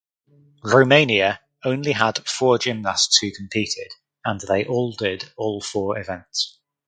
Romania only had four gymnasts who competed and they all did all four events.